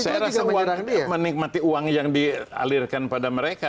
saya rasa warga menikmati uang yang dialirkan pada mereka